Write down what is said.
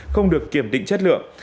không được kiểm định chất lượng